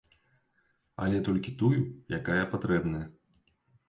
Але толькі тую, якая патрэбная.